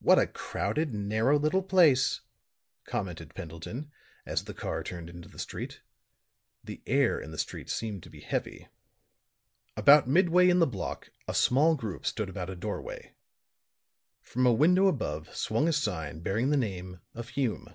"What a crowded, narrow little place," commented Pendleton, as the car turned into the street. The air in the street seemed to him heavy. About midway in the block a small group stood about a doorway; from a window above swung a sign bearing the name of Hume.